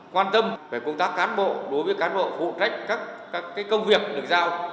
quan tâm về công tác cán bộ đối với cán bộ phụ trách các công việc được giao